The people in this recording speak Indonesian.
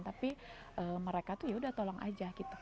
tapi mereka tuh yaudah tolong aja gitu